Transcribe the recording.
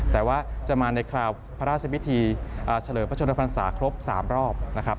แต่ว่าจะมาในคราวพระราชพิธีเฉลิมพระชนพรรษาครบ๓รอบนะครับ